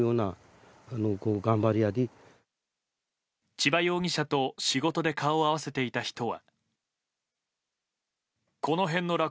千葉容疑者と仕事で顔を合わせていた人は。